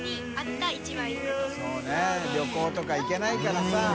旅行とか行けないからさ。